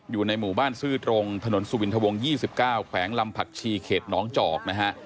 อยู่ในหมู่บ้านซื่อตรงถนนสุวินทวง๒๙แขวงลำผักชีเขตหนองจอกนะฮะ